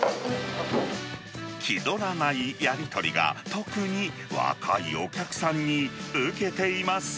気取らないやり取りが、特に若いお客さんに受けています。